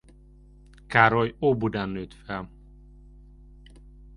Károly Óbudán nőtt fel.